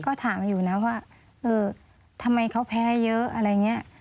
ก็ถามอยู่แล้วว่าเออทำไมเขาแพ้เยอะอะไรอย่างนี้